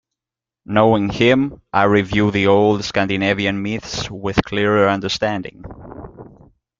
Knowing him, I review the old Scandinavian myths with clearer understanding.